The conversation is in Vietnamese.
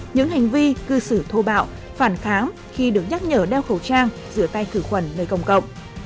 những hành vi cư xử thô bạo phản kháng khi được nhắc nhở đeo khẩu trang rửa tay khử khuẩn nơi công cộng